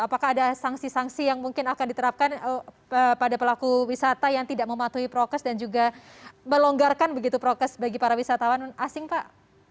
apakah ada sanksi sanksi yang mungkin akan diterapkan pada pelaku wisata yang tidak mematuhi prokes dan juga melonggarkan begitu prokes bagi para wisatawan asing pak